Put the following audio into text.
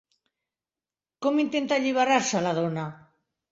Com intenta alliberar-se la dona?